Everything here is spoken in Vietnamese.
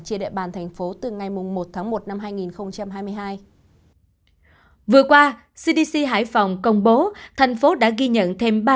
trên địa bàn thành phố từ ngày một một hai nghìn hai mươi hai vừa qua cdc hải phòng công bố thành phố đã ghi nhận